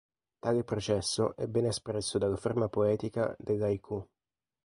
Tale processo è ben espresso dalla forma poetica dell"'haiku".